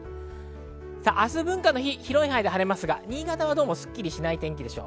明日、文化の日は広い範囲で晴れますが、新潟はすっきりしない天気でしょう。